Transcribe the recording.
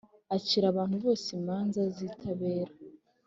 acira abantu bose imanza zitabera.